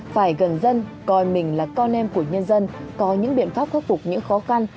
phải gần dân coi mình là con em của nhân dân có những biện pháp khắc phục những khó khăn